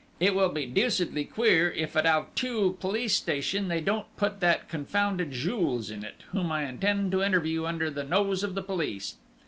It will be deucedly queer if, at Auteuil police station, they don't put that confounded Jules in it, whom I intend to interview under the nose of the police!...